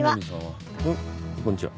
こんにちは。